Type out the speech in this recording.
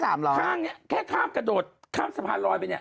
ข้างเนี้ยแค่ข้ามกระโดดข้ามสะพานลอยไปเนี่ย